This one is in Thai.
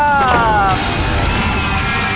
ยังเพราะความสำคัญ